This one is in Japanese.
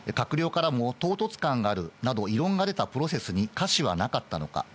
閣僚からも唐突感があるなど異論が出たプロセスに瑕疵なかったのか。